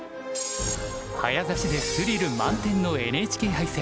早指しでスリル満点のＮＨＫ杯戦。